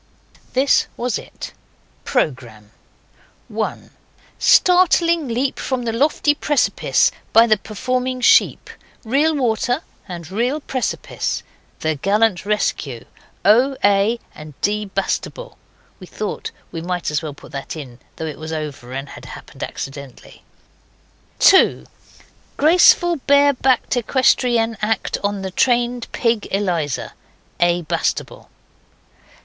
This was it: PROGRAMME 1. Startling leap from the lofty precipice by the performing sheep. Real water, and real precipice. The gallant rescue. O. A. and D. Bastable. (We thought we might as well put that in though it was over and had happened accidentally.) 2. Graceful bare backed equestrienne act on the trained pig, Eliza. A. Bastable.